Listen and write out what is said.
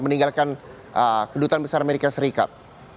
meninggalkan kedutaan besar amerika serikat